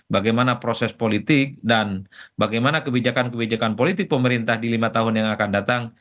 bagaimana proses politik dan bagaimana kebijakan kebijakan politik pemerintah di lima tahun yang akan datang